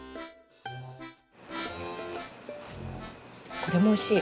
これもおいしい。